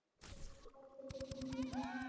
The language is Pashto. حرفوي زده کړې اقتصاد ته ګټه لري